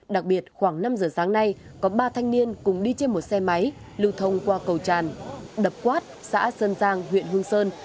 đặc biệt khoảng năm giờ sáng nay có ba thanh niên cùng đi trên một xe máy lưu thông qua cầu tràn đập quát xã sơn giang huyện hương sơn